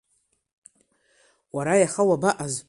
Уара, иаха уабаҟаз?